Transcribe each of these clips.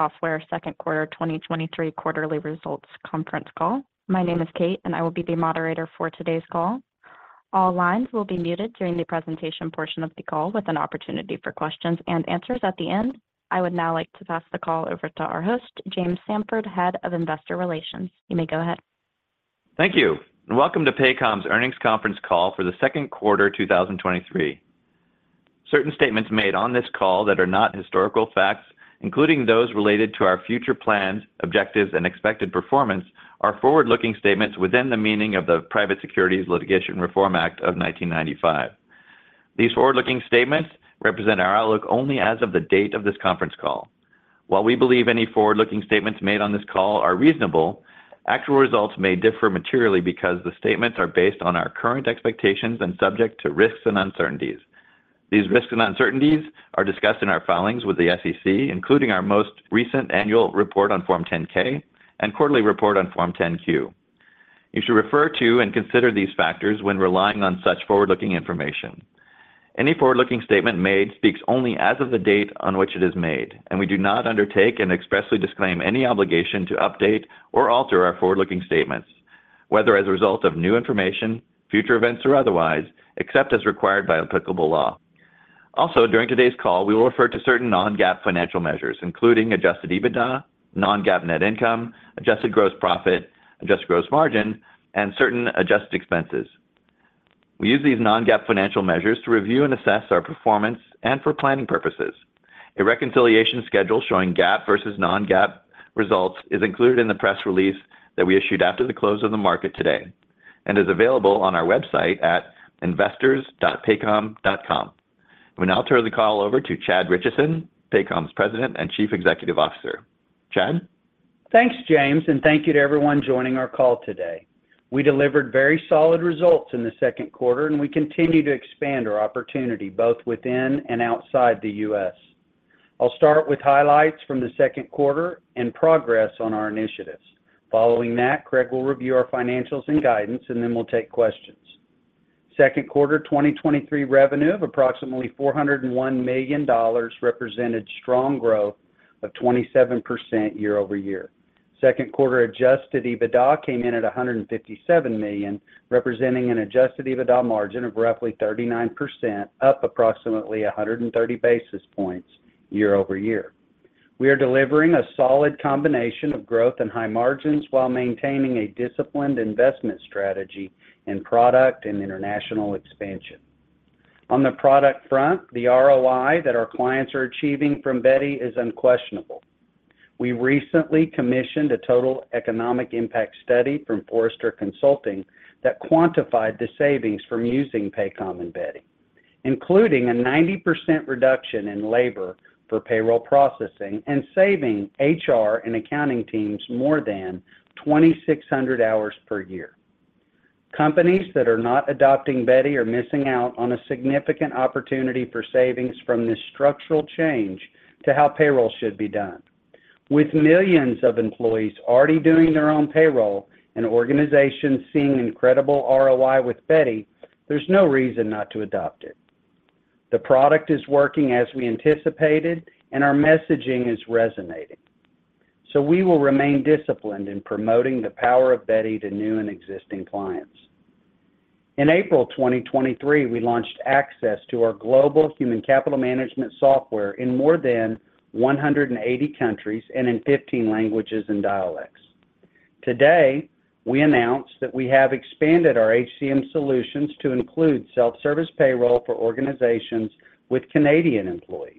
Software second quarter 2023 quarterly results conference call. My name is Kate, and I will be the operator for today's call. All lines will be muted during the presentation portion of the call, with an opportunity for questions and answers at the end. I would now like to pass the call over to our host, James Samford, Head of Investor Relations. You may go ahead. Thank you. Welcome to Paycom's Earnings Conference Call for the second quarter 2023. Certain statements made on this call that are not historical facts, including those related to our future plans, objectives, and expected performance, are forward-looking statements within the meaning of the Private Securities Litigation Reform Act of 1995. These forward-looking statements represent our outlook only as of the date of this conference call. While we believe any forward-looking statements made on this call are reasonable, actual results may differ materially because the statements are based on our current expectations and subject to risks and uncertainties. These risks and uncertainties are discussed in our filings with the SEC, including our most recent Annual Report on Form 10-K and Quarterly Report on Form 10-Q. You should refer to and consider these factors when relying on such forward-looking information. Any forward-looking statement made speaks only as of the date on which it is made, and we do not undertake and expressly disclaim any obligation to update or alter our forward-looking statements, whether as a result of new information, future events, or otherwise, except as required by applicable law. Also, during today's call, we will refer to certain non-GAAP financial measures, including adjusted EBITDA, non-GAAP net income, adjusted gross profit, adjusted gross margin, and certain adjusted expenses. We use these non-GAAP financial measures to review and assess our performance and for planning purposes. A reconciliation schedule showing GAAP versus non-GAAP results is included in the press release that we issued after the close of the market today and is available on our website at investors.paycom.com. We now turn the call over to Chad Richison, Paycom's President and Chief Executive Officer. Chad? Thanks, James. Thank you to everyone joining our call today. We delivered very solid results in the second quarter, and we continue to expand our opportunity both within and outside the US. I'll start with highlights from the second quarter and progress on our initiatives. Following that, Craig will review our financials and guidance, and then we'll take questions. Second quarter 2023 revenue of approximately $401 million represented strong growth of 27% year-over-year. Second quarter adjusted EBITDA came in at $157 million, representing an adjusted EBITDA margin of roughly 39%, up approximately 130 basis points year-over-year. We are delivering a solid combination of growth and high margins while maintaining a disciplined investment strategy in product and international expansion. On the product front, the ROI that our clients are achieving from Beti is unquestionable. We recently commissioned a Total Economic Impact study from Forrester Consulting that quantified the savings from using Paycom and Beti, including a 90% reduction in labor for payroll processing and saving HR and accounting teams more than 2,600 hours per year. Companies that are not adopting Beti are missing out on a significant opportunity for savings from this structural change to how payroll should be done. With millions of employees already doing their own payroll and organizations seeing incredible ROI with Beti, there's no reason not to adopt it. The product is working as we anticipated, and our messaging is resonating. We will remain disciplined in promoting the power of Beti to new and existing clients. In April 2023, we launched access to our global human capital management software in more than 180 countries and in 15 languages and dialects. Today, we announced that we have expanded our HCM solutions to include self-service payroll for organizations with Canadian employees.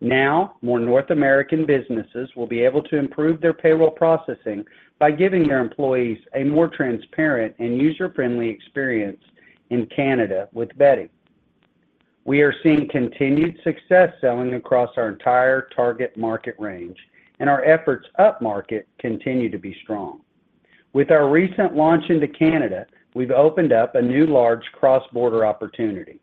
Now, more North American businesses will be able to improve their payroll processing by giving their employees a more transparent and user-friendly experience in Canada with Beti. We are seeing continued success selling across our entire target market range, and our efforts upmarket continue to be strong. With our recent launch into Canada, we've opened up a new large cross-border opportunity.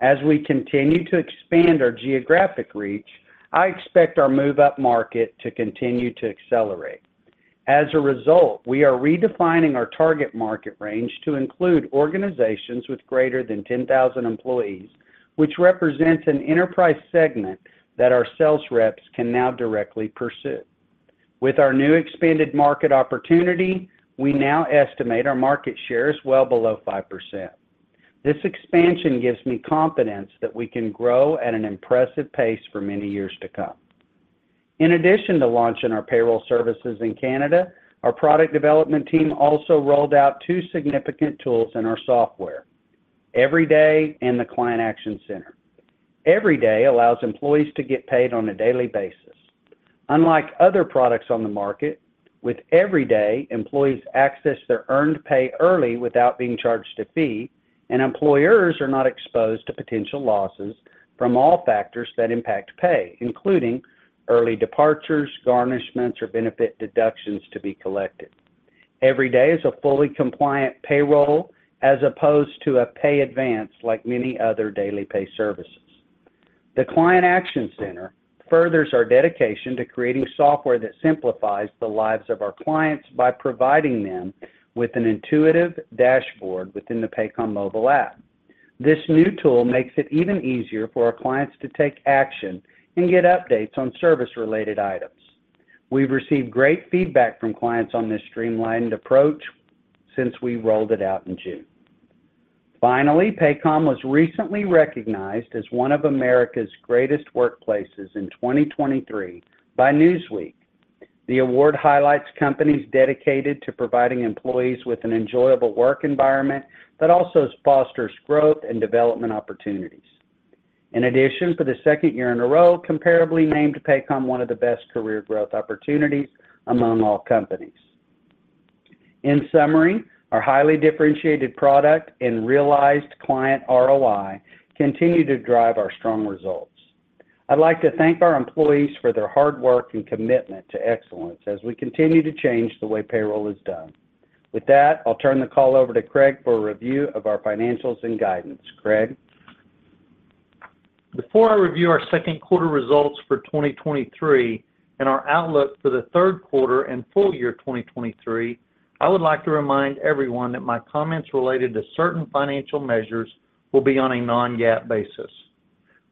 As we continue to expand our geographic reach, I expect our move upmarket to continue to accelerate. As a result, we are redefining our target market range to include organizations with greater than 10,000 employees, which represents an enterprise segment that our sales reps can now directly pursue. With our new expanded market opportunity, we now estimate our market share is well below 5%. This expansion gives me confidence that we can grow at an impressive pace for many years to come. In addition to launching our payroll services in Canada, our product development team also rolled out two significant tools in our software: EveryDay and the Client Action Center. EveryDay allows employees to get paid on a daily basis. Unlike other products on the market, with EveryDay, employees access their earned pay early without being charged a fee, and employers are not exposed to potential losses from all factors that impact pay, including early departures, garnishments, or benefit deductions to be collected. EveryDay is a fully compliant payroll, as opposed to a pay advance, like many other daily pay services. The Client Action Center furthers our dedication to creating software that simplifies the lives of our clients by providing them with an intuitive dashboard within the Paycom mobile app. This new tool makes it even easier for our clients to take action and get updates on service-related items. We've received great feedback from clients on this streamlined approach since we rolled it out in June. Paycom was recently recognized as one of America's greatest workplaces in 2023 by Newsweek. The award highlights companies dedicated to providing employees with an enjoyable work environment that also fosters growth and development opportunities. In addition, for the second year in a row, Comparably named Paycom one of the best career growth opportunities among all companies. Our highly differentiated product and realized client ROI continue to drive our strong results. I'd like to thank our employees for their hard work and commitment to excellence as we continue to change the way payroll is done. With that, I'll turn the call over to Craig for a review of our financials and guidance. Craig? Before I review our second quarter results for 2023 and our outlook for the third quarter and full year 2023, I would like to remind everyone that my comments related to certain financial measures will be on a non-GAAP basis.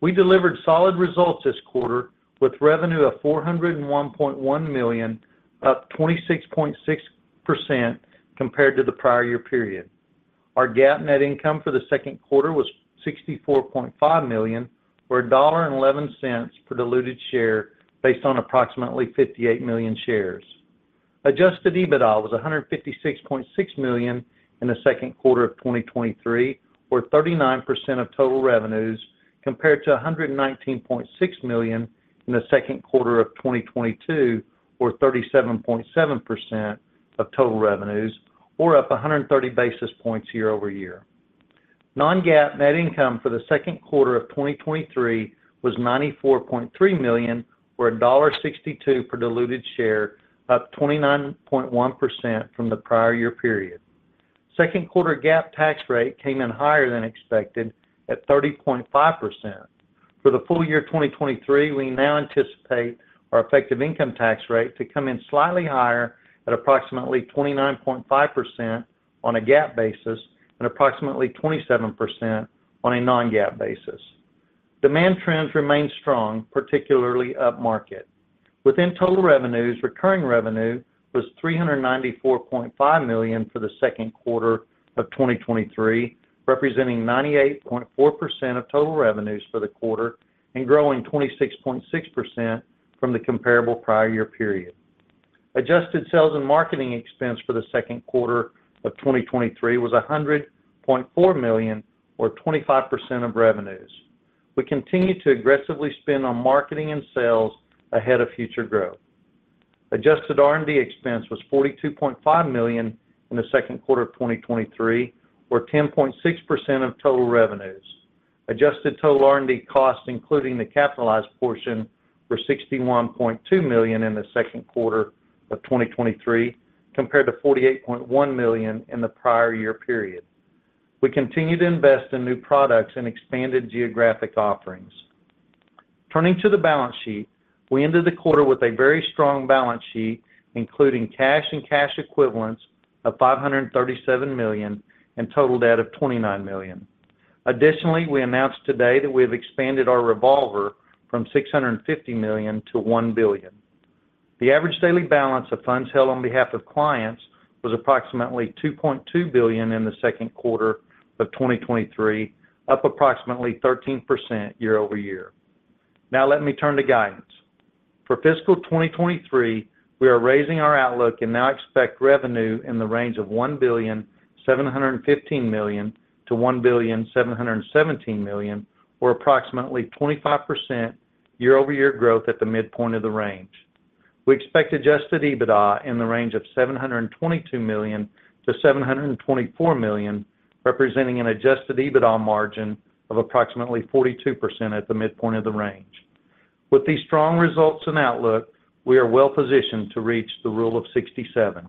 We delivered solid results this quarter with revenue of $401.1 million, up 26.6% compared to the prior year period. Our GAAP net income for the second quarter was $64.5 million, or $1.11 per diluted share, based on approximately 58 million shares. Adjusted EBITDA was $156.6 million in the second quarter of 2023, or 39% of total revenues, compared to $119.6 million in the second quarter of 2022, or 37.7% of total revenues, or up 130 basis points year-over-year. Non-GAAP net income for the second quarter of 2023 was $94.3 million, or $1.62 per diluted share, up 29.1% from the prior year period. Second quarter GAAP tax rate came in higher than expected at 30.5%. For the full year of 2023, we now anticipate our effective income tax rate to come in slightly higher at approximately 29.5% on a GAAP basis and approximately 27% on a non-GAAP basis. Demand trends remain strong, particularly upmarket. Within total revenues, recurring revenue was $394.5 million for the second quarter of 2023, representing 98.4% of total revenues for the quarter and growing 26.6% from the comparable prior year period. Adjusted sales and marketing expense for the second quarter of 2023 was $100.4 million, or 25% of revenues. We continue to aggressively spend on marketing and sales ahead of future growth. Adjusted R&D expense was $42.5 million in the second quarter of 2023, or 10.6% of total revenues. Adjusted total R&D costs, including the capitalized portion, were $61.2 million in the second quarter of 2023, compared to $48.1 million in the prior year period. We continue to invest in new products and expanded geographic offerings. Turning to the balance sheet, we ended the quarter with a very strong balance sheet, including cash and cash equivalents of $537 million and total debt of $29 million. Additionally, we announced today that we have expanded our revolver from $650 million to $1 billion. The average daily balance of funds held on behalf of clients was approximately $2.2 billion in the second quarter of 2023, up approximately 13% year-over-year. Let me turn to guidance. For fiscal 2023, we are raising our outlook and now expect revenue in the range of $1.715 billion-$1.717 billion, or approximately 25% year-over-year growth at the midpoint of the range. We expect adjusted EBITDA in the range of $722 million-$724 million, representing an adjusted EBITDA margin of approximately 42% at the midpoint of the range. With these strong results and outlook, we are well positioned to reach the Rule of 67.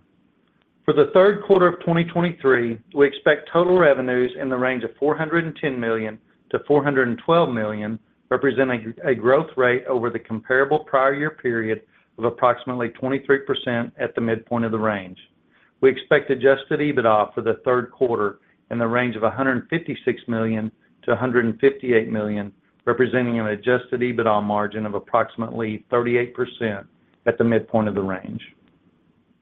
For the third quarter of 2023, we expect total revenues in the range of $410 million-$412 million, representing a growth rate over the comparable prior year period of approximately 23% at the midpoint of the range. We expect adjusted EBITDA for the third quarter in the range of $156 million-$158 million, representing an adjusted EBITDA margin of approximately 38% at the midpoint of the range.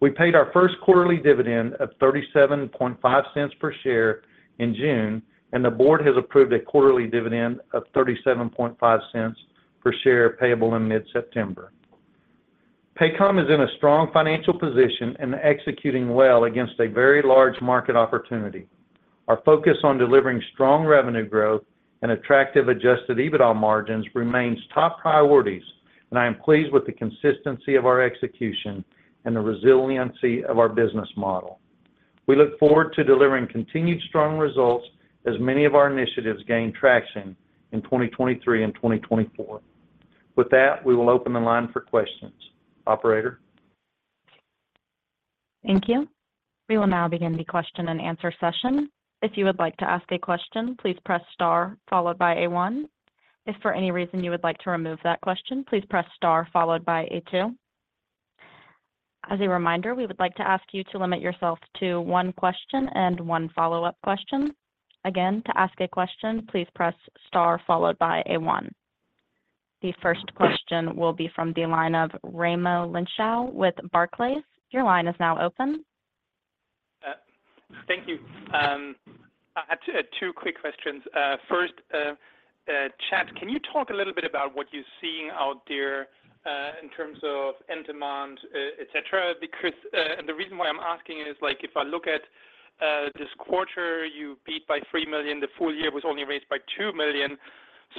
We paid our first quarterly dividend of $0.375 per share in June, and the board has approved a quarterly dividend of $0.375 per share, payable in mid-September. Paycom is in a strong financial position and executing well against a very large market opportunity. Our focus on delivering strong revenue growth and attractive adjusted EBITDA margins remains top priorities, and I am pleased with the consistency of our execution and the resiliency of our business model. We look forward to delivering continued strong results as many of our initiatives gain traction in 2023 and 2024. With that, we will open the line for questions. Operator? Thank you. We will now begin the question and answer session. If you would like to ask a question, please press star, followed by A-one. If for any reason you would like to remove that question, please press star followed by A-two. As a reminder, we would like to ask you to limit yourself to one question and one follow-up question. Again, to ask a question, please press star followed by a one. The first question will be from the line of Raimo Lenschow with Barclays. Your line is now open. Thank you. I had two quick questions. First, Chad, can you talk a little bit about what you're seeing out there, in terms of end demand, et cetera? Because. The reason why I'm asking is, like, if I look at, this quarter, you beat by $3 million, the full year was only raised by $2 million.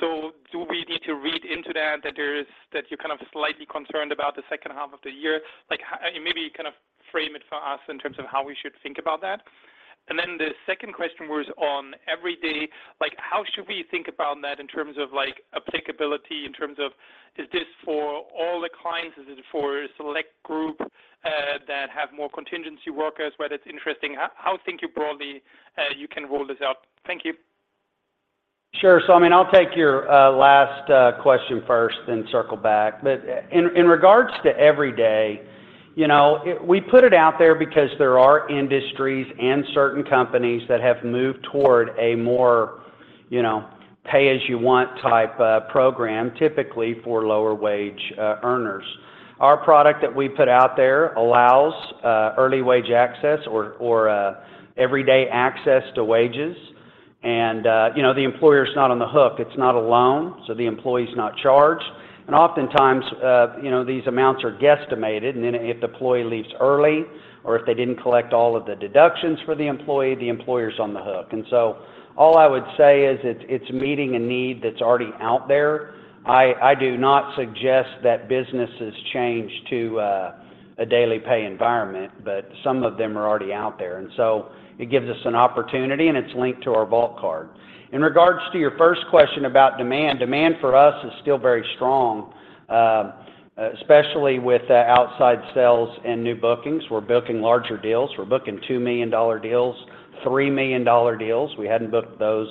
Do we need to read into that, that you're kind of slightly concerned about the second half of the year? Like, maybe you kind of frame it for us in terms of how we should think about that. Then the second question was on EveryDay. Like, how should we think about that in terms of, like, applicability, in terms of, is this for all the clients? Is it for a select group that have more contingency workers, whether it's interesting? How think you broadly you can roll this out? Thank you. Sure. I mean, I'll take your last question first, then circle back. In regards to EveryDay, you know, we put it out there because there are industries and certain companies that have moved toward a more, you know, pay-as-you-want type program, typically for lower wage earners. Our product that we put out there allows early wage access or everyday access to wages. The employer is not on the hook. It's not a loan, so the employee's not charged. Oftentimes, you know, these amounts are guesstimated, and then if the employee leaves early or if they didn't collect all of the deductions for the employee, the employer's on the hook. All I would say is it's, it's meeting a need that's already out there. I, I do not suggest that businesses change to a daily pay environment, but some of them are already out there, and so it gives us an opportunity, and it's linked to our Vault Card. In regards to your first question about demand, demand for us is still very strong, especially with the outside sales and new bookings. We're booking larger deals. We're booking $2 million deals, $3 million deals. We hadn't booked those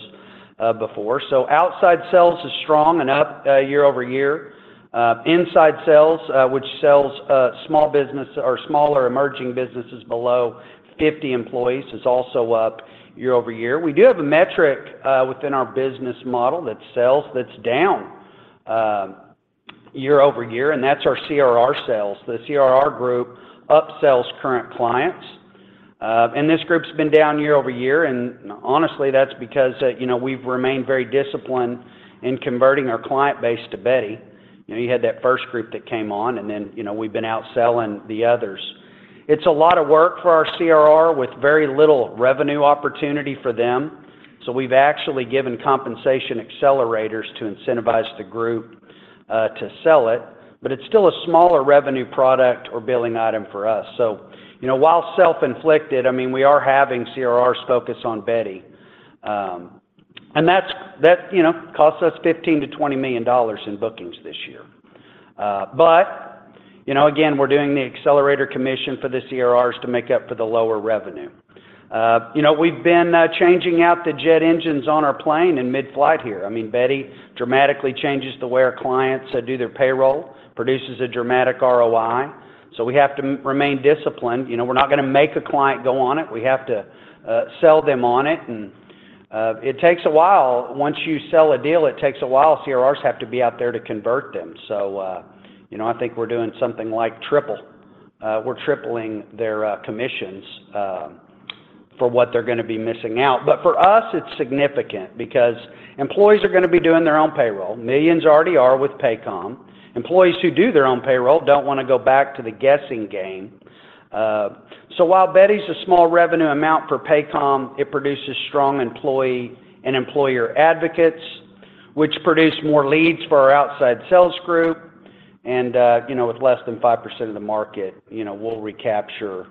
before. Outside sales is strong and up year-over-year. Inside sales, which sells small business or smaller emerging businesses below 50 employees, is also up year-over-year. We do have a metric within our business model that sells, that's down year-over-year, and that's our CRR sales. The CRR group upsells current clients, and this group's been down year-over-year, and honestly, that's because, you know, we've remained very disciplined in converting our client base to Beti. You know, you had that first group that came on, and then, you know, we've been out selling the others. It's a lot of work for our CRR with very little revenue opportunity for them. We've actually given compensation accelerators to incentivize the group, to sell it, but it's still a smaller revenue product or billing item for us. You know, while self-inflicted, I mean, we are having CRRs focus on Beti, and that's, that, you know, costs us $15 million-$20 million in bookings this year. You know, again, we're doing the accelerator commission for the CRRs to make up for the lower revenue. You know, we've been changing out the jet engines on our plane in mid-flight here. I mean, Beti dramatically changes the way our clients do their payroll, produces a dramatic ROI, so we have to remain disciplined. You know, we're not gonna make a client go on it. We have to sell them on it, and it takes a while. Once you sell a deal, it takes a while. CRRs have to be out there to convert them. You know, I think we're doing something like triple. We're tripling their commissions for what they're gonna be missing out. For us, it's significant because employees are gonna be doing their own payroll. Millions already are with Paycom. Employees who do their own payroll don't want to go back to the guessing game. While Beti's a small revenue amount for Paycom, it produces strong employee and employer advocates, which produce more leads for our outside sales group, and, you know, with less than 5% of the market, you know, we'll recapture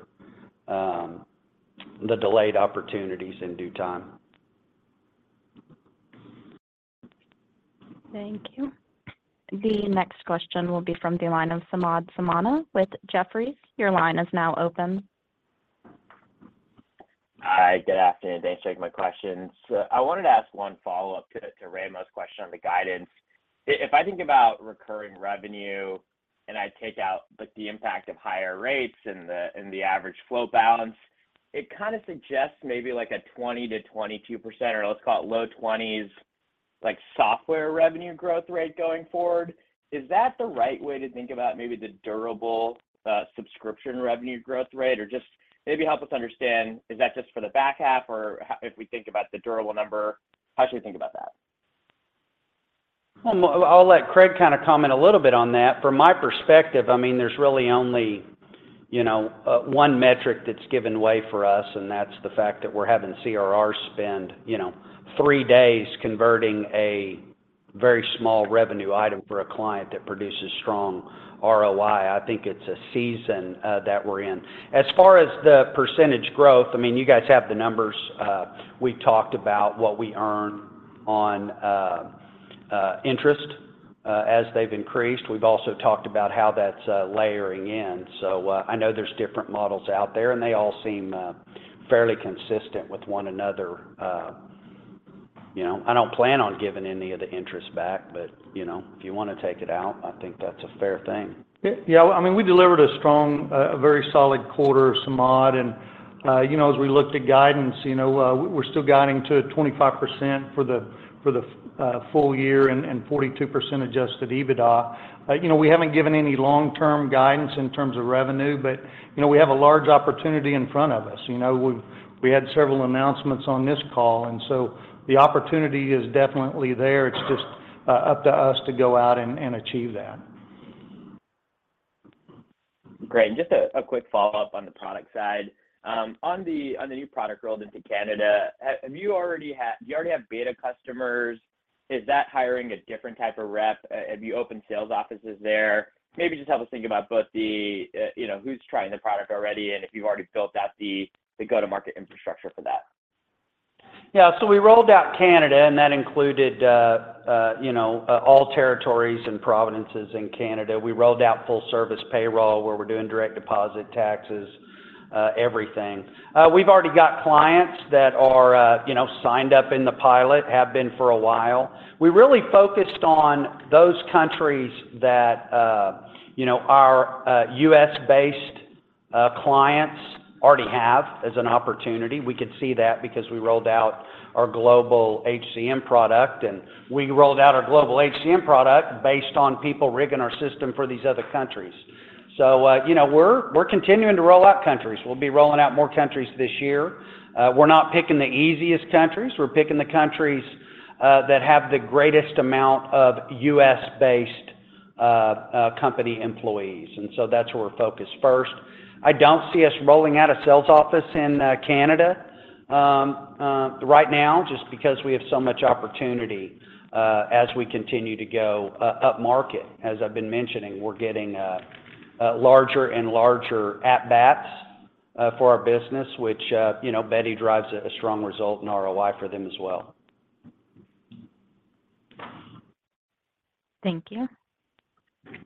the delayed opportunities in due time. Thank you. The next question will be from the line of Samad Samana with Jefferies. Your line is now open. Hi, good afternoon. Thanks for taking my questions. I wanted to ask one follow-up to Raimo's question on the guidance. If I think about recurring revenue, and I take out the impact of higher rates and the average flow balance, it kind of suggests maybe like a 20%-22%, or let's call it low 20s, like software revenue growth rate going forward. Is that the right way to think about maybe the durable subscription revenue growth rate? Just maybe help us understand, is that just for the back half, or if we think about the durable number, how should we think about that? Well, I'll, I'll let Craig kind of comment a little bit on that. From my perspective, I mean, there's really only, you know, one metric that's given way for us, and that's the fact that we're having CRR spend, you know, three days converting a very small revenue item for a client that produces strong ROI. I think it's a season that we're in. As far as the percentage growth, I mean, you guys have the numbers. We talked about what we earn on interest as they've increased. We've also talked about how that's layering in. I know there's different models out there, and they all seem fairly consistent with one another. You know, I don't plan on giving any of the interest back, but, you know, if you want to take it out, I think that's a fair thing. Yeah, I mean, we delivered a strong, a very solid quarter, Samad, and, you know, as we looked at guidance, you know, we're still guiding to 25% for the, for the, full year and 42% adjusted EBITDA. You know, we haven't given any long-term guidance in terms of revenue, but, you know, we have a large opportunity in front of us. You know, we, we had several announcements on this call, and so the opportunity is definitely there. It's just, up to us to go out and, and achieve that. Great. Just a quick follow-up on the product side. On the new product rolled into Canada, do you already have beta customers? Is that hiring a different type of rep? Have you opened sales offices there? Maybe just help us think about both the, you know, who's trying the product already, and if you've already built out the go-to-market infrastructure for that. Yeah, we rolled out Canada, and that included, you know, all territories and provinces in Canada. We rolled out full service payroll, where we're doing direct deposit taxes, everything. We've already got clients that are, you know, signed up in the pilot, have been for a while. We really focused on those countries that, you know, our U.S.-based clients already have as an opportunity. We could see that because we rolled out our Global HCM product, and we rolled out our Global HCM product based on people rigging our system for these other countries. You know, we're continuing to roll out countries. We'll be rolling out more countries this year. We're not picking the easiest countries. We're picking the countries that have the greatest amount of US-based company employees, so that's where we're focused first. I don't see us rolling out a sales office in Canada right now, just because we have so much opportunity as we continue to go upmarket. As I've been mentioning, we're getting larger and larger at-bats for our business, which, you know, Beti drives a strong result in ROI for them as well. Thank you.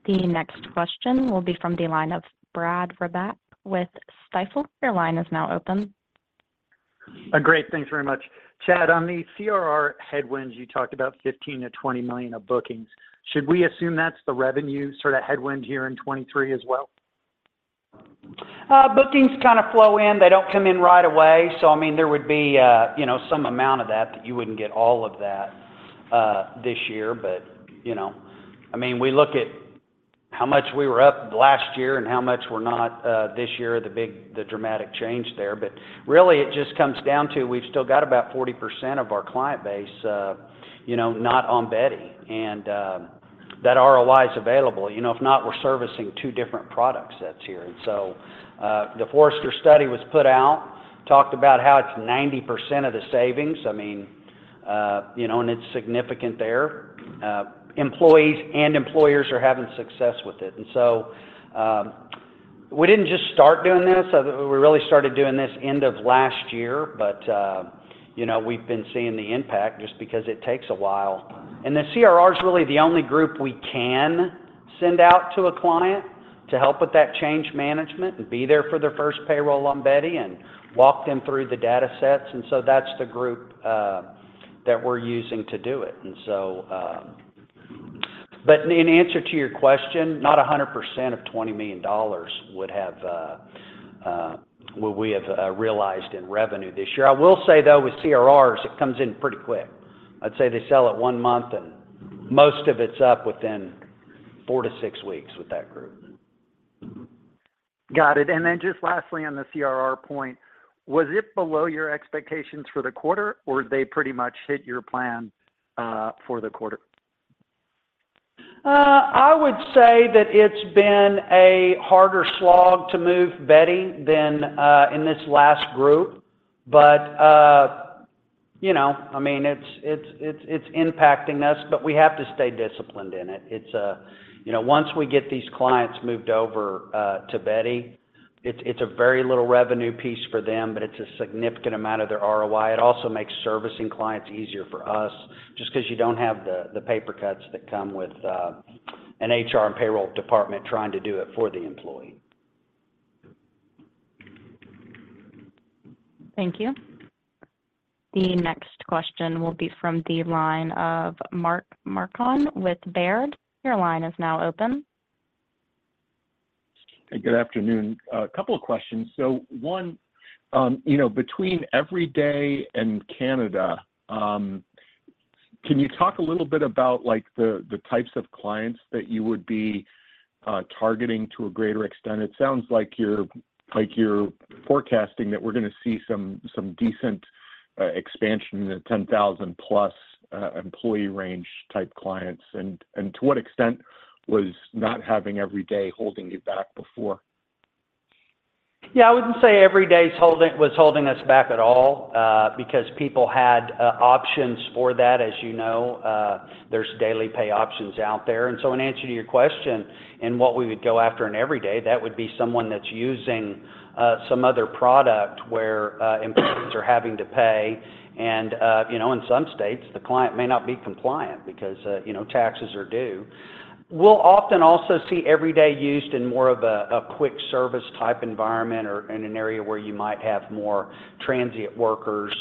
The next question will be from the line of Brad Reback with Stifel. Your line is now open. great, thanks very much. Chad, on the CRR headwinds, you talked about $15 million-$20 million of bookings. Should we assume that's the revenue sort of headwind here in 2023 as well? Bookings kind of flow in. They don't come in right away, so, I mean, there would be, you know, some amount of that, but you wouldn't get all of that, this year. You know, I mean, we look at how much we were up last year and how much we're not, this year, the big, the dramatic change there. Really, it just comes down to, we've still got about 40% of our client base, you know, not on Beti, and, that ROI is available. You know, if not, we're servicing two different product sets here. The Forrester study was put out, talked about how it's 90% of the savings. I mean, you know, and it's significant there. Employees and employers are having success with it. We didn't just start doing this. We really started doing this end of last year, you know, we've been seeing the impact just because it takes a while. The CRR is really the only group we can send out to a client to help with that change management and be there for their first payroll on Beti and walk them through the datasets. That's the group that we're using to do it. In answer to your question, not 100% of $20 million would we have realized in revenue this year. I will say, though, with CRRs, it comes in pretty quick. I'd say they sell it 1 month, and most of it's up within 4-6 weeks with that group. Got it. Then just lastly on the CRR point, was it below your expectations for the quarter, or they pretty much hit your plan, for the quarter? I would say that it's been a harder slog to move Beti than in this last group. You know, I mean, it's, it's, it's, it's impacting us, but we have to stay disciplined in it. It's. You know, once we get these clients moved over to Beti, it's, it's a very little revenue piece for them, but it's a significant amount of their ROI. It also makes servicing clients easier for us, just because you don't have the, the paper cuts that come with an HR and payroll department trying to do it for the employee. Thank you. The next question will be from the line of Mark Marcon with Baird. Your line is now open. Good afternoon. A couple of questions. One, you know, between EveryDay and Canada, can you talk a little bit about, like, the types of clients that you would be targeting to a greater extent? It sounds like you're, like, you're forecasting that we're going to see some decent expansion in the 10,000+ employee range type clients. To what extent was not having EveryDay holding you back before? Yeah, I wouldn't say EveryDay's holding was holding us back at all because people had options for that. As you know, there's daily pay options out there. So in answer to your question, and what we would go after in EveryDay, that would be someone that's using some other product where employees are having to pay. You know, in some states, the client may not be compliant because, you know, taxes are due. We'll often also see EveryDay used in more of a, a quick service type environment or in an area where you might have more transient workers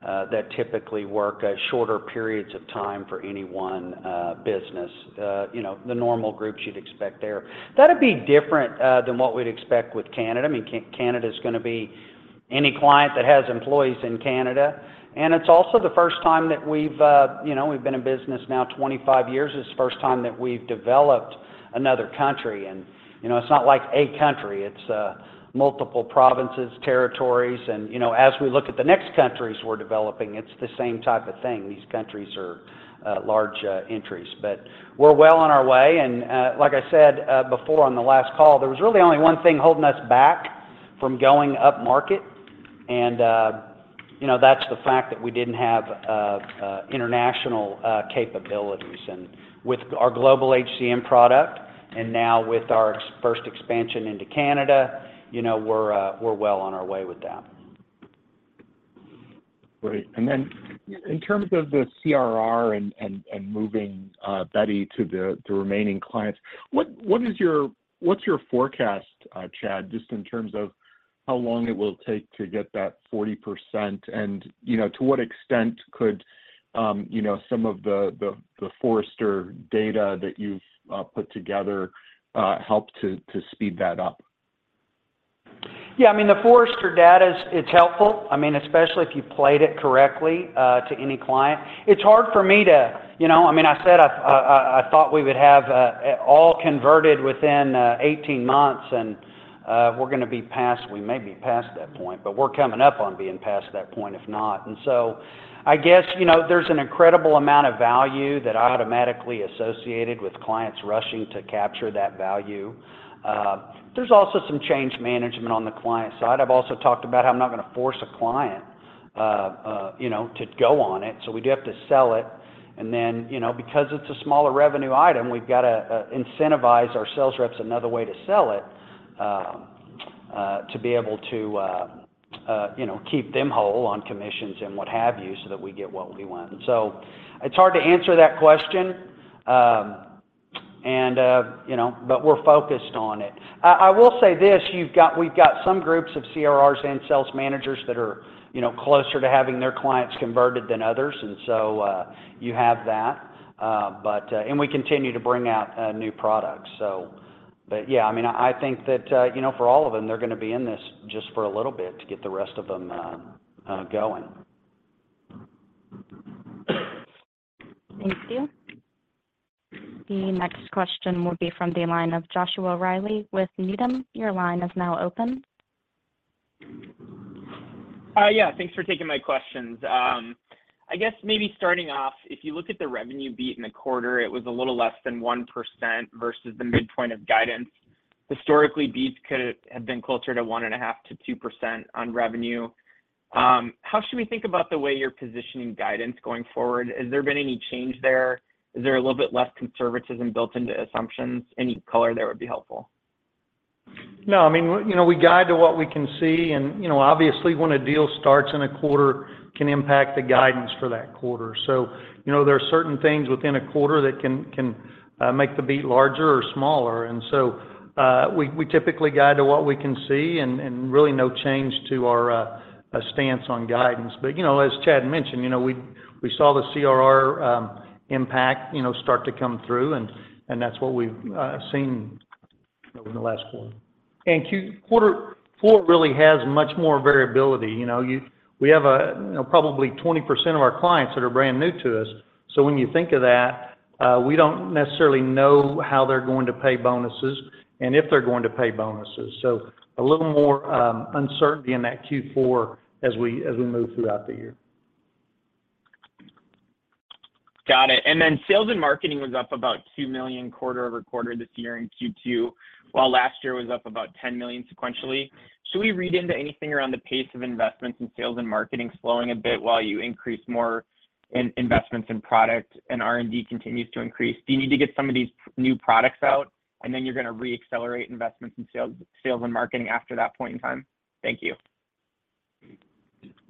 that typically work shorter periods of time for any one business, you know, the normal groups you'd expect there. That'd be different than what we'd expect with Canada. I mean, Canada is gonna be any client that has employees in Canada. It's also the first time that we've, you know, we've been in business now 25 years, it's the first time that we've developed another country. You know, it's not like a country, it's multiple provinces, territories, and, you know, as we look at the next countries we're developing, it's the same type of thing. These countries are large entries. We're well on our way, and like I said before on the last call, there was really only one thing holding us back from going upmarket, and, you know, that's the fact that we didn't have international capabilities. With our Global HCM product, and now with our first expansion into Canada, you know, we're well on our way with that. Great! Then in terms of the CRR and moving Beti to the remaining clients, what's your forecast, Chad, just in terms of how long it will take to get that 40%? You know, to what extent could, you know, some of the Forrester data that you've put together help to speed that up? Yeah, I mean, the Forrester data is, it's helpful, I mean, especially if you played it correctly, to any client. It's hard for me to, you know. I mean, I said I, I, I thought we would have, all converted within, 18 months, and we're gonna be past, we may be past that point, but we're coming up on being past that point, if not. So, I guess, you know, there's an incredible amount of value that automatically associated with clients rushing to capture that value. There's also some change management on the client side. I've also talked about how I'm not gonna force a client, you know, to go on it, so we do have to sell it. You know, because it's a smaller revenue item, we've got to incentivize our sales reps another way to sell it, to be able to, you know, keep them whole on commissions and what have you, so that we get what we want. It's hard to answer that question, you know, but we're focused on it. I, I will say this, we've got some groups of CRRs and sales managers that are, you know, closer to having their clients converted than others, and so, you have that. We continue to bring out new products. I mean, I think that, you know, for all of them, they're gonna be in this just for a little bit to get the rest of them going. Thank you. The next question will be from the line of Joshua Reilly with Needham. Your line is now open. Yeah, thanks for taking my questions. I guess maybe starting off, if you look at the revenue beat in the quarter, it was a little less than 1% versus the midpoint of guidance. Historically, beats could have been closer to 1.5%-2% on revenue. How should we think about the way you're positioning guidance going forward? Has there been any change there? Is there a little bit less conservatism built into assumptions? Any color there would be helpful. No, I mean, you know, we guide to what we can see, and, you know, obviously, when a deal starts in a quarter, can impact the guidance for that quarter. You know, there are certain things within a quarter that can, can make the beat larger or smaller. We, we typically guide to what we can see and, and really no change to our stance on guidance. You know, as Chad mentioned, you know, we, we saw the CRR impact, you know, start to come through, and, and that's what we've seen over the last quarter. Quarter four really has much more variability. You know, We have, you know, probably 20% of our clients that are brand new to us. When you think of that, we don't necessarily know how they're going to pay bonuses and if they're going to pay bonuses. A little more uncertainty in that Q4 as we, as we move throughout the year. Got it. Sales and marketing was up about $2 million quarter-over-quarter this year in Q2, while last year was up about $10 million sequentially. Should we read into anything around the pace of investments in sales and marketing slowing a bit while you increase more investments in product and R&D continues to increase? Do you need to get some of these new products out, and then you're gonna reaccelerate investments in sales and marketing after that point in time? Thank you.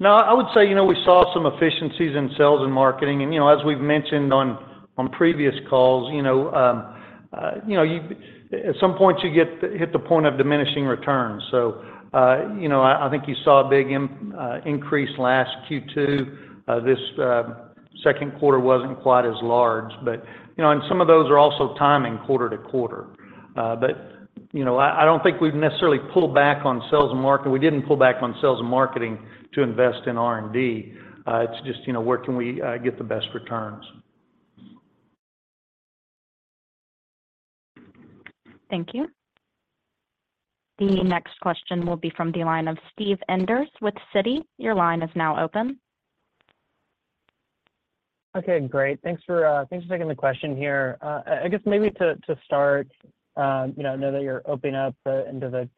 I would say, you know, we saw some efficiencies in sales and marketing, and, you know, as we've mentioned on, on previous calls, you know, you, at some point, hit the point of diminishing returns. I, I think you saw a big increase last Q2. This second quarter wasn't quite as large. You know, and some of those are also timing quarter to quarter. You know, I, I don't think we've necessarily pulled back on sales and marketing. We didn't pull back on sales and marketing to invest in R&D. It's just, you know, where can we get the best returns? Thank you. The next question will be from the line of Steve Enders with Citi. Your line is now open. Okay, great. Thanks for thanks for taking the question here. I, I guess maybe to, to start, you know, I know that you're opening up into the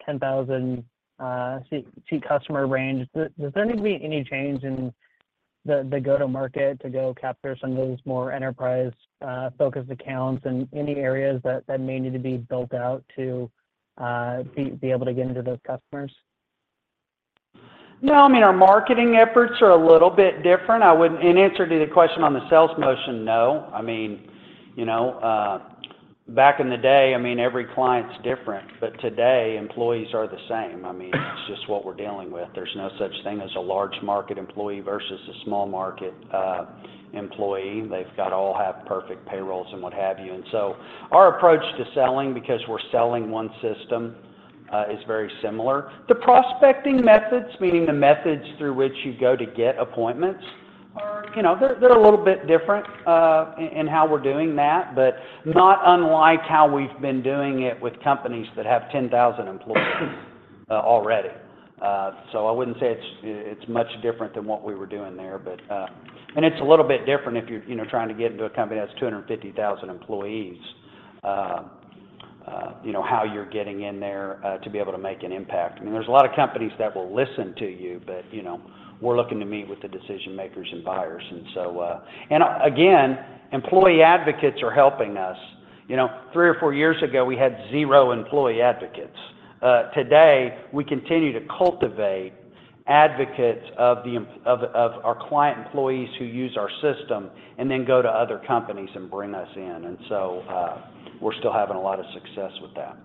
10,000 customer range. Does there need to be any change in the go-to-market to go capture some of those more enterprise focused accounts and any areas that, that may need to be built out to be able to get into those customers? No, I mean, our marketing efforts are a little bit different. I wouldn't. In answer to the question on the sales motion, no. I mean, you know, back in the day, I mean, every client's different, but today employees are the same. I mean, it's just what we're dealing with. There's no such thing as a large market employee versus a small market employee. They've got all have perfect payrolls and what have you. Our approach to selling, because we're selling one system, is very similar. The prospecting methods, meaning the methods through which you go to get appointments are, you know, they're, they're a little bit different, in how we're doing that, but not unlike how we've been doing it with companies that have 10,000 employees already. So I wouldn't say it's, it's much different than what we were doing there. But. It's a little bit different if you're, you know, trying to get into a company that has 250,000 employees, you know, how you're getting in there to be able to make an impact. I mean, there's a lot of companies that will listen to you, but, you know, we're looking to meet with the decision makers and buyers. So, again, employee advocates are helping us. You know, three or four years ago, we had zero employee advocates. Today, we continue to cultivate advocates of our client employees who use our system and then go to other companies and bring us in. So, we're still having a lot of success with that.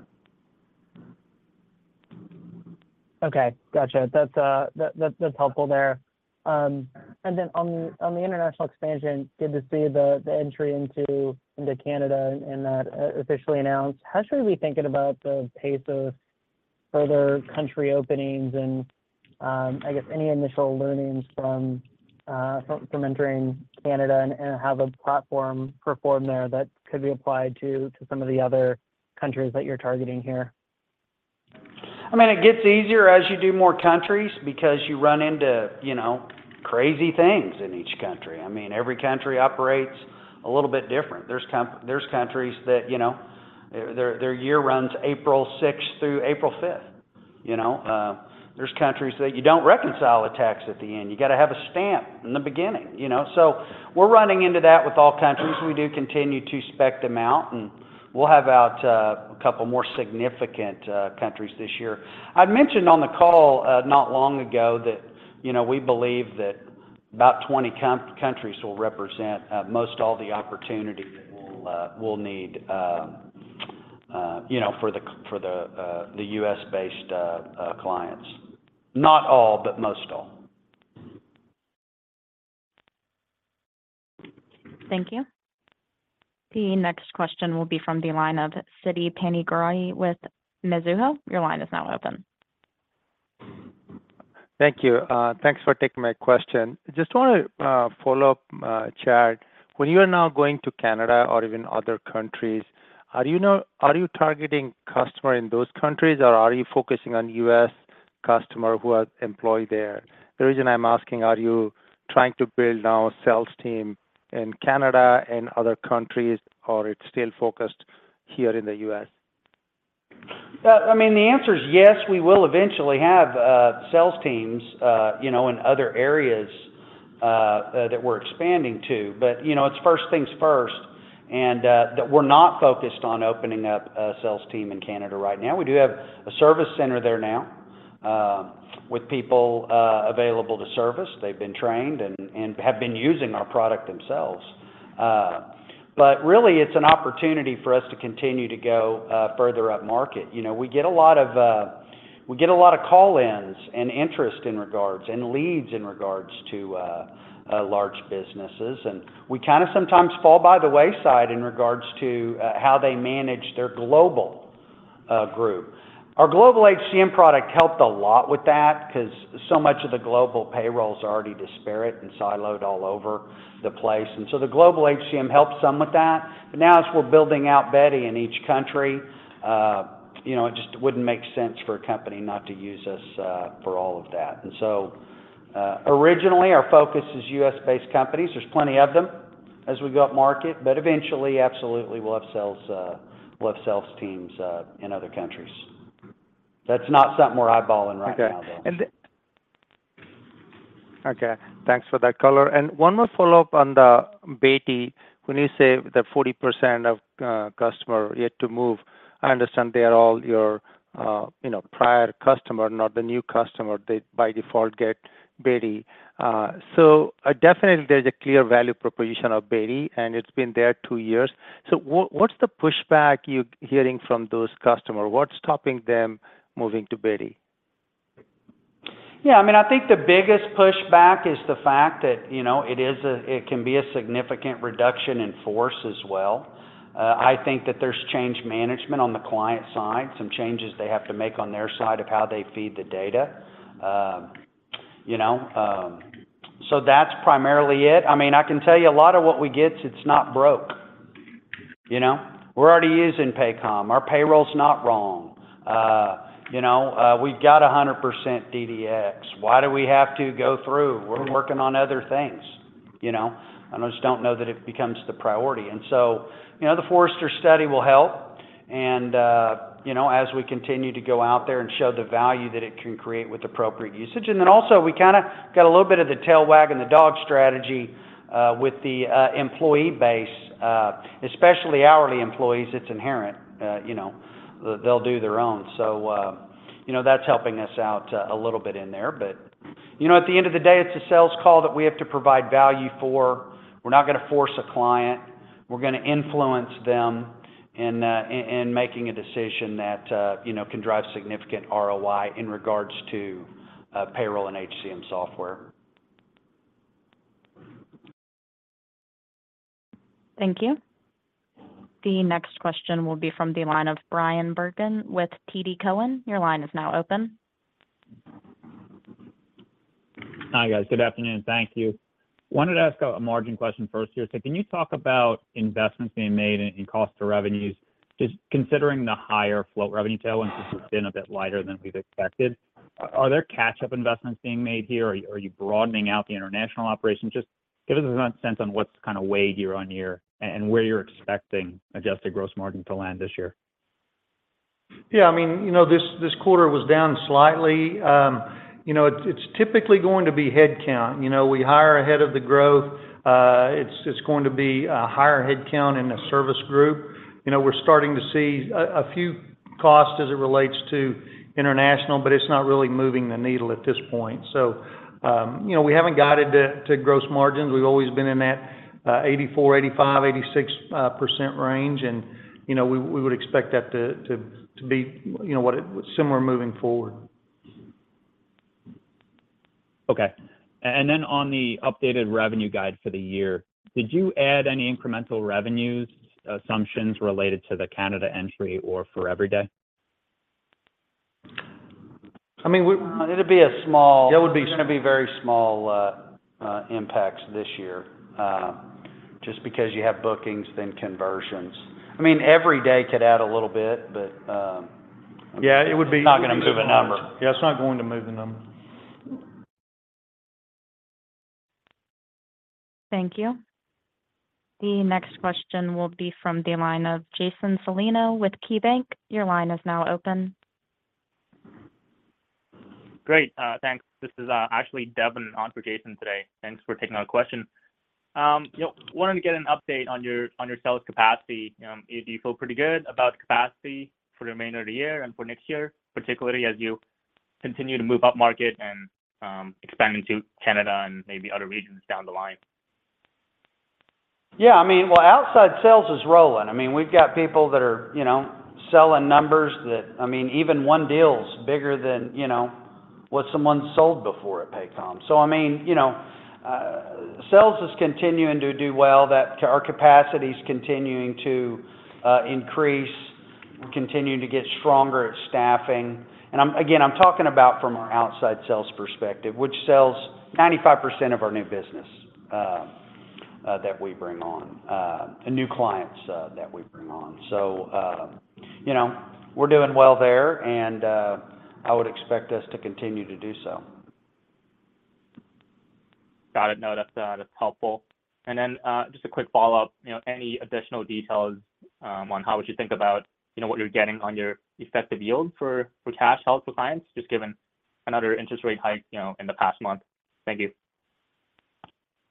Okay, gotcha. That's, that, that's helpful there. On the, on the international expansion, good to see the, the entry into, into Canada and that officially announced. How should we be thinking about the pace of further country openings and, I guess any initial learnings from, from, from entering Canada and, and how the platform performed there that could be applied to, to some of the other countries that you're targeting here? I mean, it gets easier as you do more countries because you run into, you know, crazy things in each country. I mean, every country operates a little bit different. There's countries that, you know, their year runs April 6th through April 5th, you know? There's countries that you don't reconcile the tax at the end. You got to have a stamp in the beginning, you know? So we're running into that with all countries. We do continue to spec them out, and we'll have out a couple more significant countries this year. I'd mentioned on the call not long ago that, you know, we believe that about 20 countries will represent most all the opportunity that we'll need, you know, for the US-based clients. Not all, but most all. Thank you. The next question will be from the line of Siti Panigrahi with Mizuho. Your line is now open. Thank you. Thanks for taking my question. Just want to follow up, Chad. When you are now going to Canada or even other countries, are you know, are you targeting customer in those countries, or are you focusing on US customer who are employed there? The reason I'm asking, are you trying to build now a sales team in Canada and other countries, or it's still focused here in the US? er is yes, we will eventually have sales teams, you know, in other areas that we're expanding to. But, you know, it's first things first, and that we're not focused on opening up a sales team in Canada right now. We do have a service center there now, with people available to service. They've been trained and have been using our product themselves. But really, it's an opportunity for us to continue to go further upmarket. You know, we get a lot of, we get a lot of call-ins and interest in regards and leads in regards to large businesses, and we kinda sometimes fall by the wayside in regards to how they manage their global group. Our Global HCM product helped a lot with that because so much of the global payroll is already disparate and siloed all over the place. The Global HCM helps some with that. Now, as we're building out Beti in each country, you know, it just wouldn't make sense for a company not to use us for all of that. Originally, our focus is US-based companies. There's plenty of them as we go upmarket, but eventually, absolutely, we'll have sales, we'll have sales teams in other countries. That's not something we're eyeballing right now, though. Okay. Okay, thanks for that color. One more follow-up on the Beti. When you say that 40% of customer yet to move. I understand they are all your, you know, prior customer, not the new customer. They, by default, get Beti. Definitely there's a clear value proposition of Beti, and it's been there two years. What, what's the pushback you're hearing from those customer? What's stopping them moving to Beti? Yeah, I mean, I think the biggest pushback is the fact that, you know, it can be a significant reduction in force as well. I think that there's change management on the client side, some changes they have to make on their side of how they feed the data. You know, that's primarily it. I mean, I can tell you a lot of what we get, it's not broke, you know? We're already using Paycom. Our payroll's not wrong. You know, we've got 100% DDX. Why do we have to go through? We're working on other things, you know. I just don't know that it becomes the priority. You know, the Forrester study will help, and, you know, as we continue to go out there and show the value that it can create with appropriate usage. Then also, we kinda got a little bit of the tail wagging the dog strategy, with the employee base, especially hourly employees, it's inherent. You know, they'll do their own. You know, that's helping us out a little bit in there. You know, at the end of the day, it's a sales call that we have to provide value for. We're not gonna force a client, we're gonna influence them in, in, in making a decision that, you know, can drive significant ROI in regards to payroll and HCM software. Thank you. The next question will be from the line of Brian Bergen with TD Cowen. Your line is now open. Hi, guys. Good afternoon. Thank you. Wanted to ask a, a margin question first here. Can you talk about investments being made in, in cost to revenues, just considering the higher float revenue tailwind, which has been a bit lighter than we've expected? Are there catch-up investments being made here, or are you broadening out the international operations? Just give us a sense on what's kind of weighed year-on-year, and where you're expecting adjusted gross margin to land this year. Yeah, I mean, you know, this, this quarter was down slightly. You know, it's, it's typically going to be headcount. You know, we hire ahead of the growth. It's, it's going to be a higher headcount in the service group. You know, we're starting to see a, a few costs as it relates to international, but it's not really moving the needle at this point. You know, we haven't guided to, to gross margins. We've always been in that 84%-86% range, and, you know, we, we would expect that to, to, to be, you know, similar moving forward. Okay. Then on the updated revenue guide for the year, did you add any incremental revenues assumptions related to the Canada entry or for EveryDay? I mean. it'll be a small- It would be- It's gonna be very small impacts this year, just because you have bookings then conversions. I mean, EveryDay could add a little bit, but. Yeah, it would be. It's not gonna move the number. Yeah, it's not going to move the number. Thank you. The next question will be from the line of Jason Celino with KeyBanc. Your line is now open. Great. Thanks. This is, actually Devin on for Jason today. Thanks for taking our question. You know, wanted to get an update on your, on your sales capacity. Do you feel pretty good about capacity for the remainder of the year and for next year, particularly as you continue to move up market and, expand into Canada and maybe other regions down the line? Yeah, I mean, well, outside sales is rolling. I mean, we've got people that are, you know, selling numbers that, I mean, even one deal is bigger than, you know, what someone sold before at Paycom. I mean, you know, sales is continuing to do well, our capacity is continuing to increase. We're continuing to get stronger at staffing. Again, I'm talking about from our outside sales perspective, which sells 95% of our new business that we bring on, and new clients that we bring on. You know, we're doing well there, and I would expect us to continue to do so. Got it. No, that's, that's helpful. And then, just a quick follow-up. You know, any additional details, on how would you think about, you know, what you're getting on your effective yield for, for cash held for clients, just given another interest rate hike, you know, in the past month? Thank you.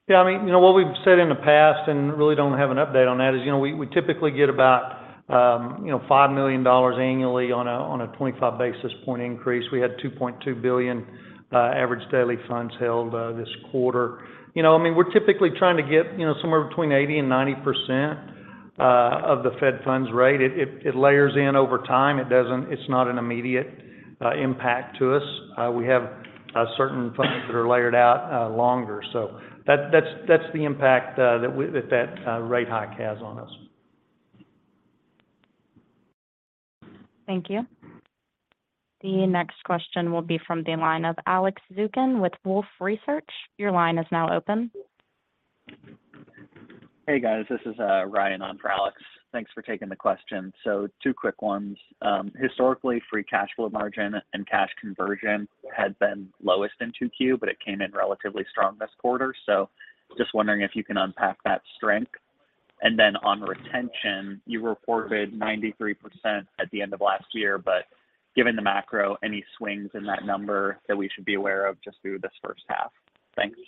Yeah, I mean, you know, what we've said in the past, and really don't have an update on that, is, you know, we, we typically get about $5 million annually on a 25 basis point increase. We had $2.2 billion average daily funds held this quarter. I mean, we're typically trying to get somewhere between 80% and 90% of the Fed funds rate. It, it, it layers in over time, it doesn't, it's not an immediate impact to us. We have certain funds that are layered out longer. That, that's, that's the impact that we rate hike has on us. Thank you. The next question will be from the line of Alex Zukin with Wolfe Research. Your line is now open. Hey, guys. This is Ryan on for Alex. Thanks for taking the question. Two quick ones. Historically, free cash flow margin and cash conversion had been lowest in Q2, but it came in relatively strong this quarter. Just wondering if you can unpack that strength. Then on retention, you reported 93% at the end of last year, but given the macro, any swings in that number that we should be aware of just through this first half? Thanks.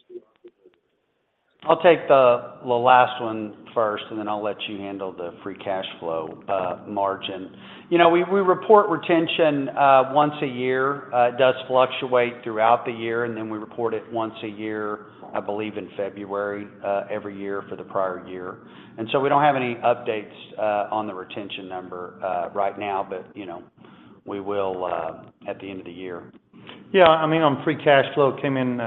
I'll take the, the last one first, and then I'll let you handle the free cash flow, margin. You know, we, we report retention, once a year. It does fluctuate throughout the year, and then we report it once a year, I believe, in February, every year for the prior year. So we don't have any updates, on the retention number, right now, but, you know, we will, at the end of the year. Yeah, I mean, on free cash flow came in,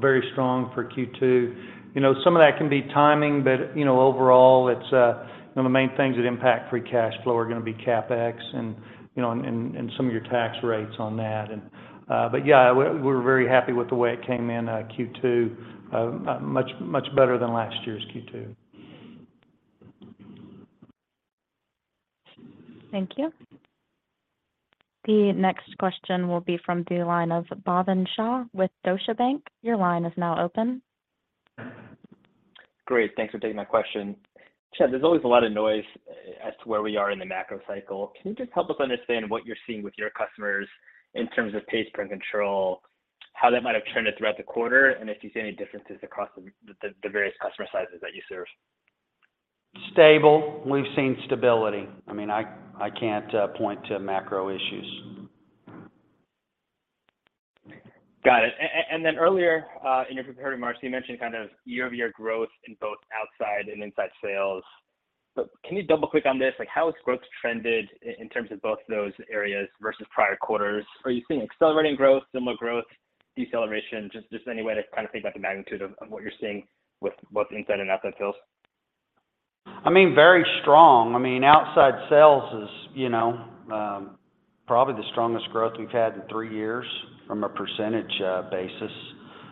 very strong for Q2. You know, some of that can be timing, but, you know, overall it's. You know, the main things that impact free cash flow are gonna be CapEx and, you know, and, and, and some of your tax rates on that. But yeah, we're, we're very happy with the way it came in, Q2. Much, much better than last year's Q2. Thank you. The next question will be from the line of Bhavin Shah with Deutsche Bank. Your line is now open. Great, thanks for taking my question. Chad, there's always a lot of noise, as to where we are in the macro cycle. Can you just help us understand what you're seeing with your customers in terms of pays per control, how that might have turned it throughout the quarter, and if you see any differences across the various customer sizes that you serve? Stable. We've seen stability. I mean, I, I can't point to macro issues. Got it. And then earlier, in your prepared remarks, you mentioned kind of year-over-year growth in both outside and inside sales. Can you double-click on this? Like, how has growth trended in terms of both those areas versus prior quarters? Are you seeing accelerating growth, similar growth, deceleration? Just any way to kind of think about the magnitude of, of what you're seeing with both inside and outside sales. I mean, very strong. I mean, outside sales is, you know, probably the strongest growth we've had in 3 years from a percentage basis.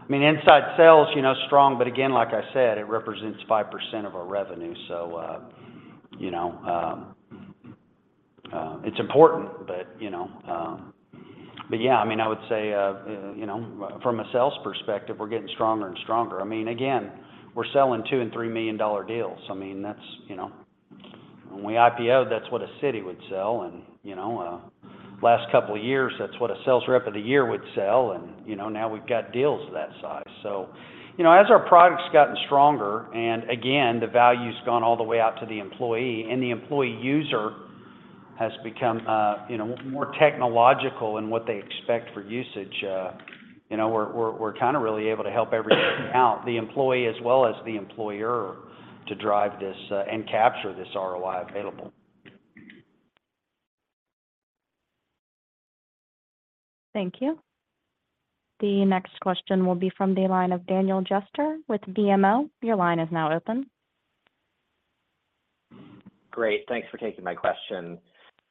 I mean, inside sales, you know, strong, but again, like I said, it represents 5% of our revenue. You know, I mean, I would say, you know, from a sales perspective, we're getting stronger and stronger. I mean, again, we're selling $2 million and $3 million deals. I mean, that's, you know, when we IPO'd, that's what a Citi would sell and, you know, last couple of years, that's what a sales rep of the year would sell. You know, now we've got deals of that size. You know, as our product's gotten stronger, and again, the value's gone all the way out to the employee, and the employee user has become, you know, more technological in what they expect for usage, you know, we're, we're, we're kinda really able to help everybody out, the employee as well as the employer, to drive this, and capture this ROI available. Thank you. The next question will be from the line of Daniel Jester with BMO. Your line is now open. Great, thanks for taking my question.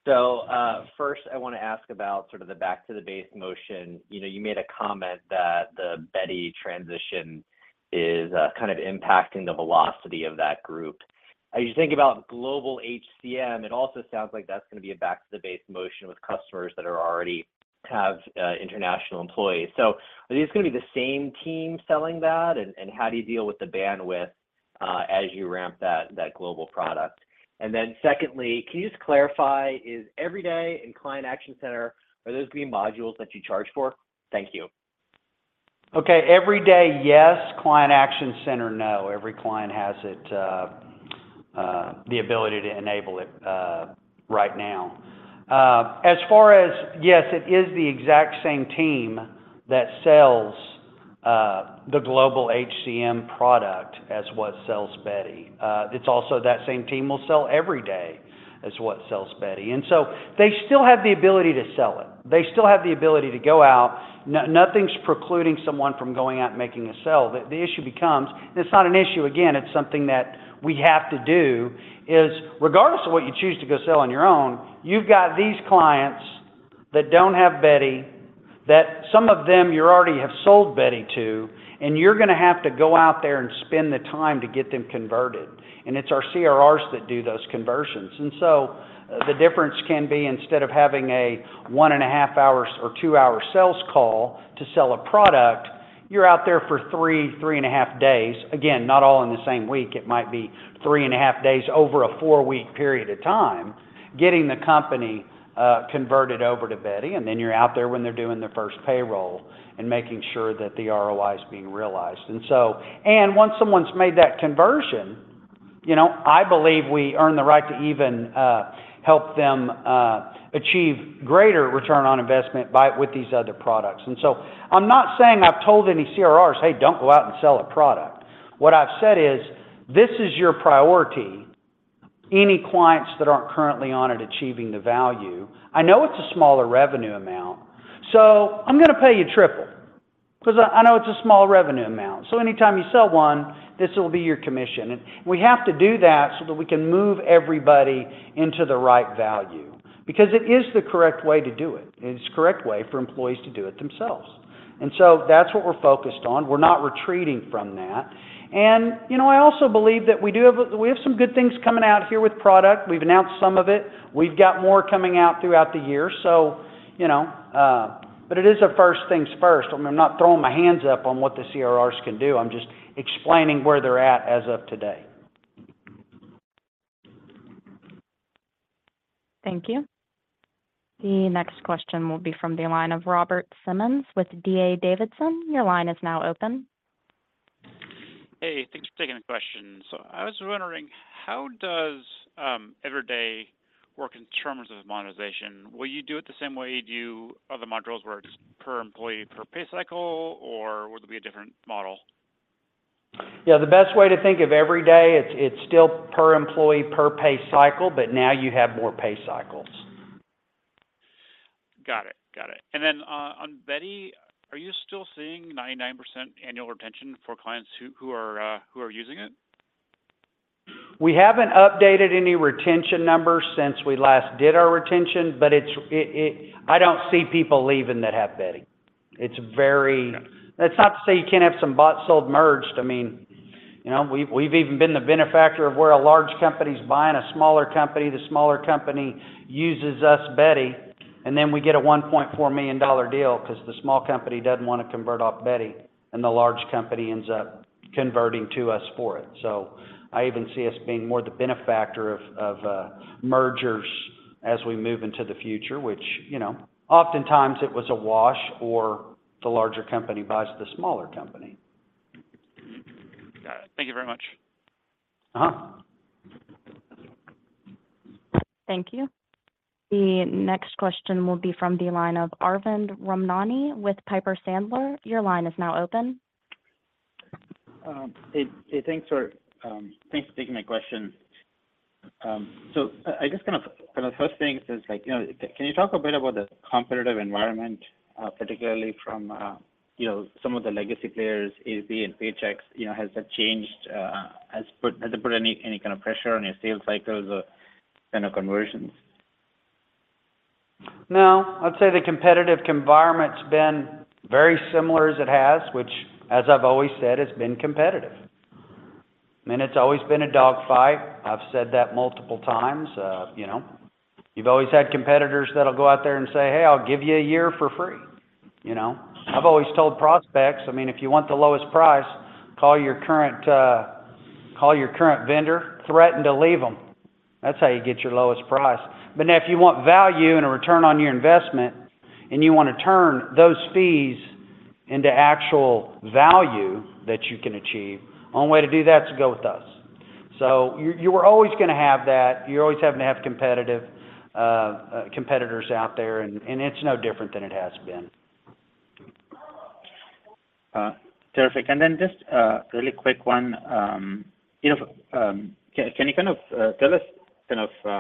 First, I wanna ask about sort of the back to the base motion. You know, you made a comment that the Beti transition is kind of impacting the velocity of that group. As you think about Global HCM, it also sounds like that's gonna be a back to the base motion with customers that are already have international employees. Are these gonna be the same team selling that, and how do you deal with the bandwidth as you ramp that, that global product? Secondly, can you just clarify, is EveryDay and Client Action Center, are those gonna be modules that you charge for? Thank you. Okay. EveryDay, yes. Client Action Center, no. Every client has it, the ability to enable it, right now. As far as, yes, it is the exact same team that sells the Global HCM product as what sells Beti. It's also that same team will sell EveryDay as what sells Beti. They still have the ability to sell it. They still have the ability to go out. Nothing's precluding someone from going out and making a sale. The issue becomes, and it's not an issue, again, it's something that we have to do, is regardless of what you choose to go sell on your own, you've got these clients that don't have Beti, that some of them you already have sold Beti to, and you're gonna have to go out there and spend the time to get them converted. It's our CRRs that do those conversions. The difference can be, instead of having a 1.5 hours or 2-hour sales call to sell a product, you're out there for 3, 3.5 days. Again, not all in the same week. It might be 3.5 days over a 4-week period of time, getting the company converted over to Beti, and then you're out there when they're doing their first payroll and making sure that the ROI is being realized. Once someone's made that conversion, you know, I believe we earn the right to even help them achieve greater return on investment with these other products. I'm not saying I've told any CRRs, "Hey, don't go out and sell a product." What I've said is: This is your priority, any clients that aren't currently on it, achieving the value. I know it's a smaller revenue amount, so I'm gonna pay you triple, 'cause I know it's a smaller revenue amount. Anytime you sell one, this will be your commission. We have to do that so that we can move everybody into the right value, because it is the correct way to do it. It's the correct way for employees to do it themselves. That's what we're focused on. We're not retreating from that. You know, I also believe that we do have some good things coming out here with product. We've announced some of it. We've got more coming out throughout the year. You know, it is a first things first. I'm not throwing my hands up on what the CRRs can do. I'm just explaining where they're at as of today. Thank you. The next question will be from the line of Robert Simmons with D.A. Davidson. Your line is now open. Hey, thanks for taking the question. I was wondering, how does EveryDay work in terms of monetization? Will you do it the same way do you other modules work, just per employee, per pay cycle, or would it be a different model? Yeah, the best way to think of EveryDay, it's still per employee, per pay cycle, but now you have more pay cycles. Got it. Got it. Then, on Beti, are you still seeing 99% annual retention for clients who, who are, who are using it? We haven't updated any retention numbers since we last did our retention, but it's, I don't see people leaving that have Beti. It's very- Yeah. That's not to say you can't have some bought, sold, merged. I mean, you know, we've even been the benefactor of where a large company's buying a smaller company. The smaller company uses us, Beti... Then we get a $1.4 million deal, 'cause the small company doesn't want to convert off Beti, and the large company ends up converting to us for it. I even see us being more the benefactor of mergers as we move into the future, which, you know, oftentimes it was a wash or the larger company buys the smaller company. Got it. Thank it very much. Thank you. The next question will be from the line of Arvind Ramnani with Piper Sandler. Your line is now open. Hey, hey, thanks for, thanks for taking my question. I guess, kind of, kind of the first thing is like, you know, can you talk a bit about the competitive environment, particularly from, you know, some of the legacy players, ADP and Paychex, you know, has that changed, has it put any, any kind of pressure on your sales cycles or kind of conversions? No, I'd say the competitive environment's been very similar as it has, which, as I've always said, it's been competitive. I mean, it's always been a dogfight. I've said that multiple times. You know, you've always had competitors that'll go out there and say, "Hey, I'll give you a year for free," you know? I've always told prospects, "I mean, if you want the lowest price, call your current, call your current vendor, threaten to leave them. That's how you get your lowest price. Now, if you want value and a return on your investment, and you want to turn those fees into actual value that you can achieve, only way to do that is to go with us." You, you were always gonna have that, you're always having to have competitive competitors out there, and, and it's no different than it has been. Terrific. Then just, really quick one. You know, can, can you kind of tell us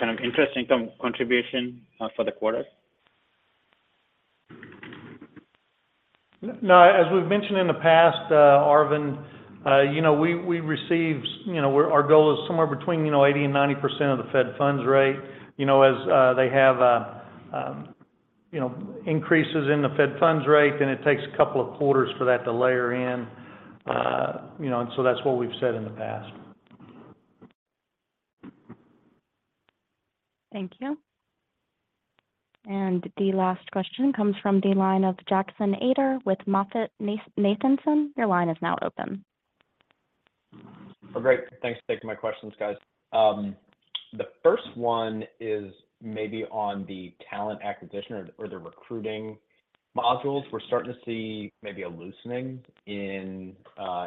kind of interest income contribution for the quarter? No, as we've mentioned in the past, Arvind, you know, we, we received... You know, where our goal is somewhere between, you know, 80% and 90% of the Fed funds rate. You know, as they have, you know, increases in the Fed funds rate, then it takes a couple of quarters for that to layer in. You know, and so that's what we've said in the past. Thank you. The last question comes from the line of Jackson Ader with MoffettNathanson. Your line is now open. Oh, great. Thanks for taking my questions, guys. The first one is maybe on the talent acquisition or, or the recruiting modules. We're starting to see maybe a loosening in,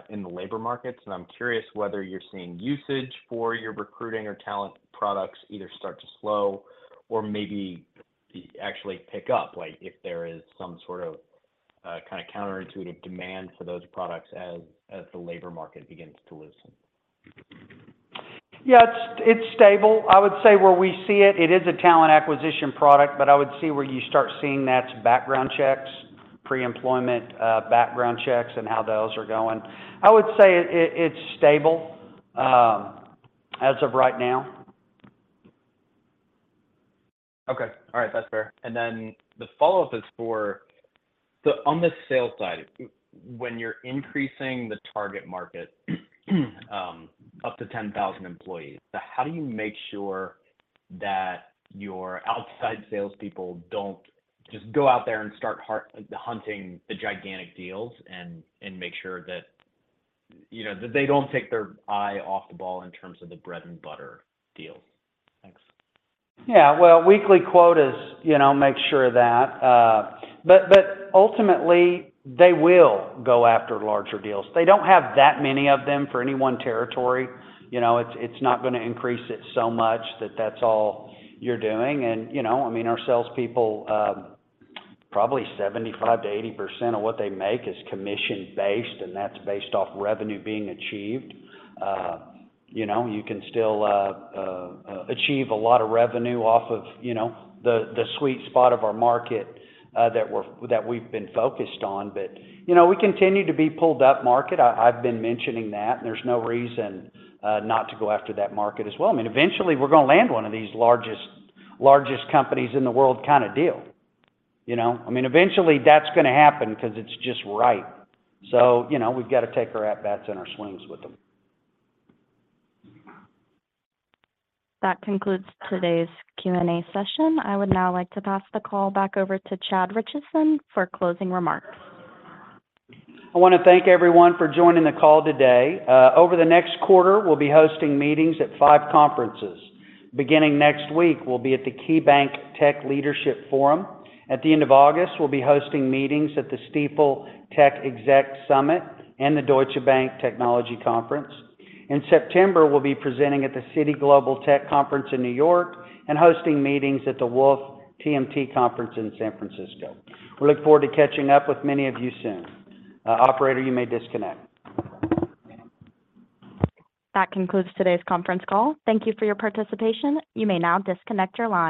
in the labor markets, and I'm curious whether you're seeing usage for your recruiting or talent products either start to slow or maybe actually pick up, like, if there is some sort of, kind of counterintuitive demand for those products as, as the labor market begins to loosen. Yeah, it's, it's stable. I would say where we see it, it is a talent acquisition product, but I would see where you start seeing that's background checks, pre-employment, background checks, and how those are going. I would say it, it's stable as of right now. Okay. All right. That's fair. Then the follow-up is for, on the sales side, when you're increasing the target market, up to 10,000 employees, how do you make sure that your outside salespeople don't just go out there and start hunting the gigantic deals, and make sure that, you know, that they don't take their eye off the ball in terms of the bread and butter deals? Thanks. Yeah, well, weekly quotas, you know, make sure of that. Ultimately, they will go after larger deals. They don't have that many of them for any one territory. You know, it's, it's not gonna increase it so much that that's all you're doing. You know, I mean, our salespeople, probably 75%-80% of what they make is commission-based, and that's based off revenue being achieved. You know, you can still achieve a lot of revenue off of, you know, the sweet spot of our market that we've been focused on. You know, we continue to be pulled up market. I, I've been mentioning that, and there's no reason not to go after that market as well. I mean, eventually, we're gonna land one of these largest, largest companies in the world kind of deal, you know? I mean, eventually, that's gonna happen because it's just right. You know, we've got to take our at bats and our swings with them. That concludes today's Q&A session. I would now like to pass the call back over to Chad Richison for closing remarks. I want to thank everyone for joining the call today. Over the next quarter, we'll be hosting meetings at five conferences. Beginning next week, we'll be at the KeyBanc Technology Leadership Forum. At the end of August, we'll be hosting meetings at the Stifel Tech Executive Summit and the Deutsche Bank Technology Conference. In September, we'll be presenting at the Citi Global Technology Conference in New York, and hosting meetings at the Wolfe Research TMT Conference in San Francisco. We look forward to catching up with many of you soon. Operator, you may disconnect. That concludes today's conference call. Thank you for your participation. You may now disconnect your line.